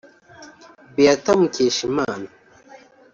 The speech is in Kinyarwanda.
Beata Mukeshimana